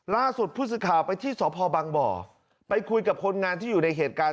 ล่าสุดพูดสิทธิ์ข่าวไปที่สพบไปคุยกับคนงานที่อยู่ในเหตุการณ์